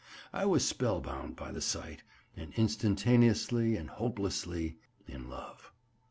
I was spellbound by the sight, and instantaneously and hopelessly in love.